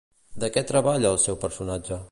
De què treballa el seu personatge?